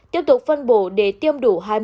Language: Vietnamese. tiếp tục phân bổ để tiêm đủ hai triệu liều